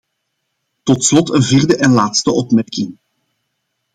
Tot slot een vierde en laatste opmerking.